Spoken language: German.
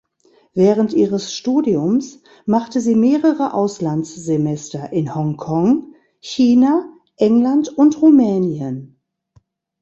Während ihres Studiums machte sie mehrere Auslandssemester in Hong Kong, China, England und Rumänien.